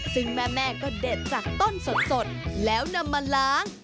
ซึ่งแม่ก็เด็ดจากต้นสดแล้วนำมาล้าง